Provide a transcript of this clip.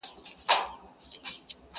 د پيشو په مخكي زوره ور نه پردى سي.!